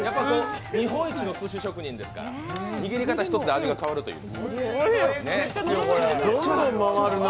日本一のすし職人ですから握り方一つで味が変わるという。